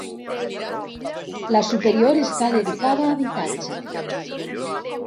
La superior està dedicada a habitatge.